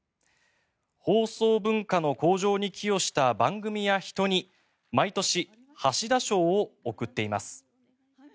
放送文化の向上に寄与した番組や人に毎年、橋田賞を贈っています。